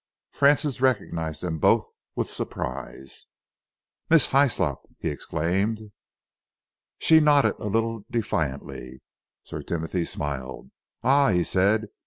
Francis recognised them both with surprise. "Miss Hyslop!" he exclaimed. She nodded a little defiantly. Sir Timothy smiled. "Ah!" he said.